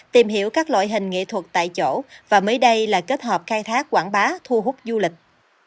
tìm hiểu các loại hình nghệ thuật tại chỗ và mới đây là kết hợp khai thác quảng bá thu hút du lịch